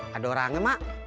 gak ada orangnya mak